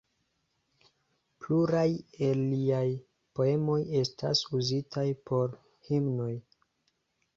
Pluraj el liaj poemoj estas uzitaj por himnoj.